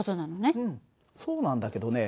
そうなんだけどね